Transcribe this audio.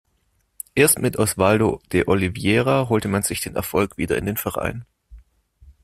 Erst mit Oswaldo de Oliveira holte man sich den Erfolg wieder in den Verein.